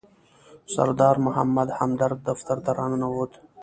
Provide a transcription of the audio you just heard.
سردار محمد همدرد دفتر ته راننوت.